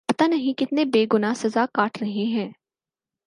پتا نہیں کتنے بے گنا سزا کاٹ رہے ہیں